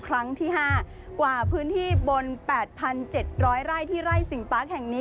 ครั้งที่๕กว่าพื้นที่บน๘๗๐๐ไร่ที่ไร่สิงปาร์คแห่งนี้